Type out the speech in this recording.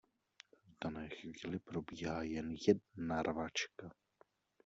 V dané chvíli probíhá jen jedna rvačka!